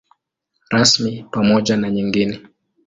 Rasmi pamoja na nyingine.